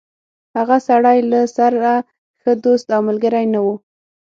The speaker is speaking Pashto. هغه سړی له سره ښه دوست او ملګری نه و.